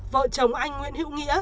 vợ chồng anh nguyễn hữu nghĩa